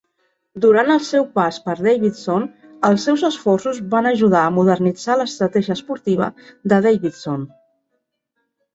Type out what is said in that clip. Durant el seu pas per Davidson, els seus esforços van ajudar a modernitzar l'estratègia esportiva de Davidson.